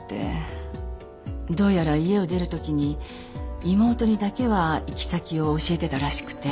どうやら家を出るときに妹にだけは行き先を教えてたらしくて。